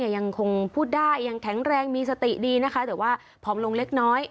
ยังคงพูดได้ยังแข็งแรงมีสติดีนะคะแต่ว่าผอมลงเล็กน้อย